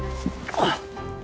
あっ！